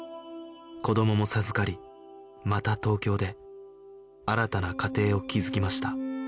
子どもも授かりまた東京で新たな家庭を築きました